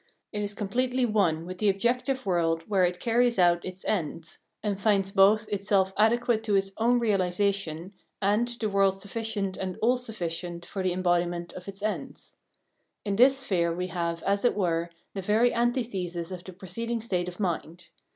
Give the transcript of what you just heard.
It is completely one with the objective world where it carries out its ends, and finds both itself adequate to its own realisation, and the world sufficient and all sufficient for the embodiment of its ends. In this sphere we have, as it were, the very antithesis of the preceding state of mind.